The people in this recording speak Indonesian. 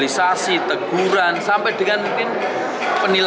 iya denda maksimal